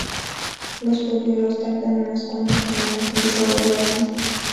Los polluelos tardan unas cuatro semanas en desarrollarse.